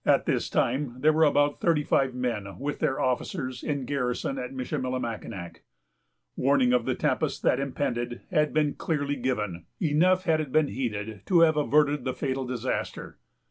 At this time there were about thirty five men, with their officers, in garrison at Michillimackinac. Warning of the tempest that impended had been clearly given; enough, had it been heeded, to have averted the fatal disaster.